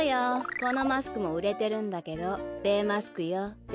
このマスクもうれてるんだけどべマスクよべ。